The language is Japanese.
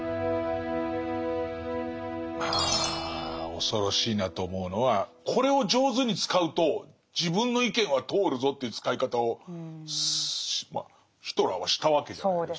ああ恐ろしいなと思うのはこれを上手に使うと自分の意見は通るぞという使い方をヒトラーはしたわけじゃないですか。